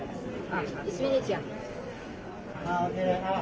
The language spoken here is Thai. อันนี้คือ๑จานที่คุณคุณค่อยอยู่ด้านข้างข้างนั้น